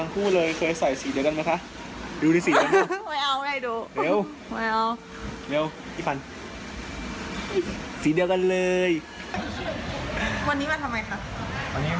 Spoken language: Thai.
คิดได้